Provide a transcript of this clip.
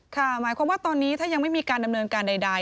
หมายความว่าตอนนี้ถ้ายังไม่มีการดำเนินการใด